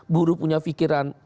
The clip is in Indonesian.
buruh punya fikiran